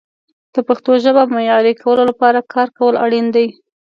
د پښتو ژبې معیاري کولو لپاره کار کول اړین دي.